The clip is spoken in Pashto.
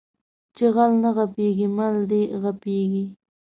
چې غل نه غېړيږي مال دې غېړيږي